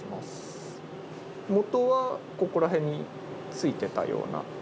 元はここら辺についてたような。